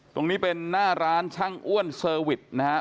ตรงนี้เป็นหน้าร้านช่างอ้วนเซอร์วิสนะครับ